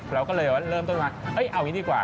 เราก็เลยเริ่มต้นมาเอาอย่างนี้ดีกว่า